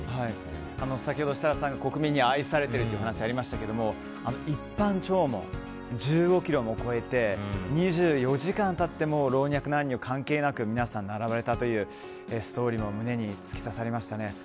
先ほど設楽さんから国民に愛されているという話がありましたが一般弔問、１５ｋｍも超えて２４時間経っても老若男女関係なく皆さん、並ばれたというストーリーも胸に突き刺さりました。